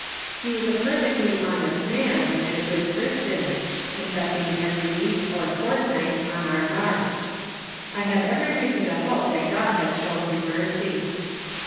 He was a perfectly honest man, and a good Christian, confessing every week or fortnight on our march. I have every reason to hope that God has shown him mercy.